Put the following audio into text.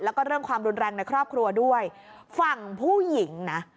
แล้วก็เรื่องความรุนแรงในครอบครัวด้วยฝั่งผู้หญิงนะ